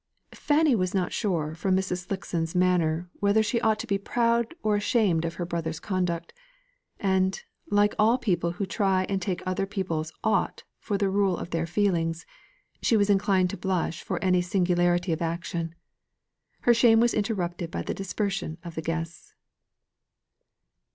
Fanny was not sure, from Mrs. Slickson's manner, whether she ought to be proud or ashamed of her brother's conduct; and, like all people who try and take other people's "ought" for the rule of their feelings, she was inclined to blush for any singularity of action. Her shame was interrupted by the dispersion of the guests.